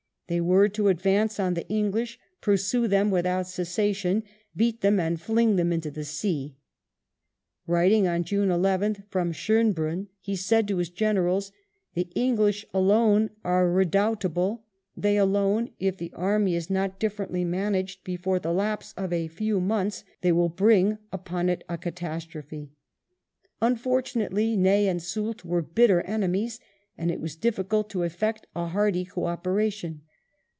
They were to " advance on the English, pursue them without cessation, beat them, and fling them into the sea." Writing on June 11th from Schonbrunn, he said to his generals :" the English alone are redoubtable — they alone ; if the army is not differently managed, before the lapse of a few months Ii6 WELLINGTON they will bring upon it a catastrophe." Unfortunately Ney and Soult were bitter enemies, and it was difficult to effect a hearty co operation.